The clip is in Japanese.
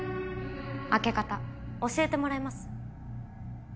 開け方教えてもらえます？